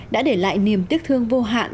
đã để lại niềm tiếc thương vô hạn